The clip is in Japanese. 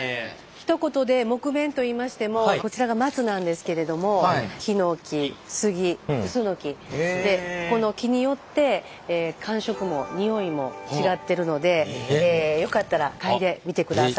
ひと言で木毛といいましてもこちらが松なんですけれどもヒノキ杉クスノキこの木によって感触も匂いも違ってるのでよかったら嗅いでみてください。